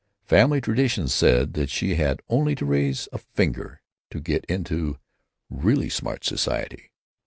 Family tradition said that she had only to raise a finger to get into really smart society.